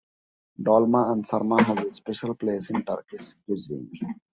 Dolma and sarma has a special place in Turkish cuisine.